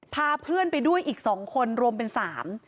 พาเพื่อนไปด้วยอีกสองคนรวมเป็นสาม